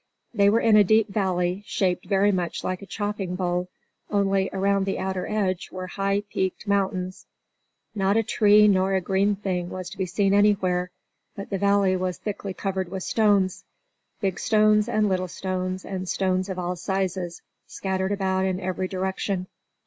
They were in a deep valley, shaped very much like a chopping bowl, only around the outer edge were high, peaked mountains. Not a tree nor a green thing was to be seen anywhere, but the valley was thickly covered with stones big stones and little stones and stones of all sizes scattered about in every direction.